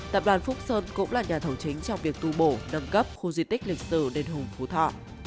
tập đoàn phúc sơn cũng là nhà thầu chính trong việc tu bổ nâng cấp khu di tích lịch sử đền hùng phú thọ